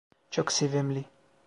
Çok sevimli.